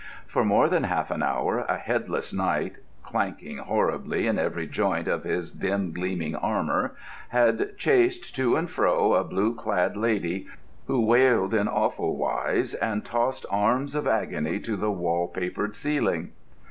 For more than half an hour a headless Knight, clanking horribly in every joint of his dim gleaming armour, had chased to and fro a blue clad Lady, who wailed in awful wise and tossed arms of agony to the wall papered ceiling.